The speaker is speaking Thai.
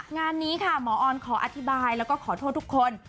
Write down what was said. งานนี้ค่ะหมอออนขออธิบายแล้วก็ขอโทษทุกคน